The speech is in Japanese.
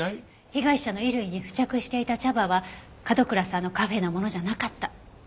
被害者の衣類に付着していた茶葉は角倉さんのカフェのものじゃなかった。